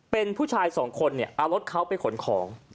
เป็นผู้ชายสองคนเนี่ยเอารถเขาไปขนของ